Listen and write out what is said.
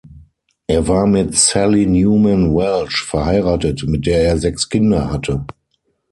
Er war mit Sallie Newman Welch verheiratet, mit der er sechs Kinder hatte.